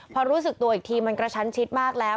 พอรู้สึกตัวอีกทีมันกระชั้นชิดมากแล้ว